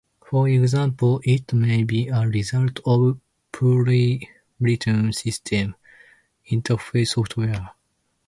For example, it may be a result of poorly written system interface software.